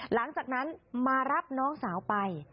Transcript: หลังจากนั้นมารับน้องสาวไป